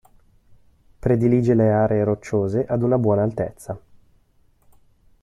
Predilige le aree rocciose ad una buona altezza.